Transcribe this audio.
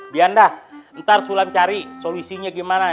bianda entar sulam cari solusinya gimana